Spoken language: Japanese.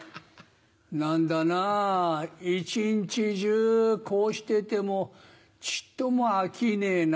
何だなぁ一日中こうしててもちっとも飽きねえな。